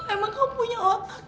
emang kamu punya otak